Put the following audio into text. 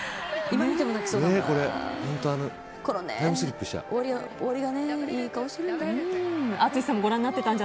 今見ても泣きそうだもん。